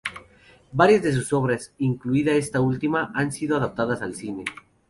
Varias de sus obras, incluida esta última, han sido adaptadas al cine.